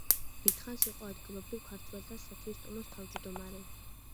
დიდხანს იყო ადგილობრივ ქართველთა სათვისტომოს თავმჯდომარე.